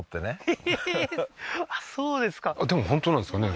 そうですかでも本当なんですかね